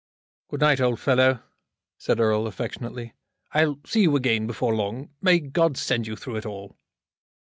"Good night, old fellow," said Erle, affectionately. "I'll see you again before long. May God send you through it all."